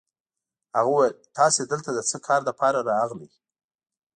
هغه وویل: تاسي دلته د څه کار لپاره راغلئ؟